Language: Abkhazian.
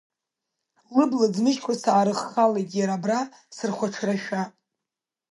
Лыбла ӡмыжьқәа саарыххалеит иара абра сырхәаҽрашәа.